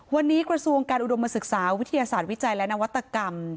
วันนี้กระทรวงการอุดมศึกษาวิทยาศาสตร์วิจัยและนวัตกรรม